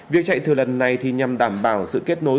việc chạy thửa lần này thì nhằm đảm bảo sự kết nối